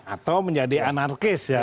atau menjadi anarkis ya